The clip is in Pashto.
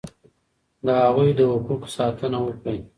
د هغوی د حقوقو ساتنه وکړئ.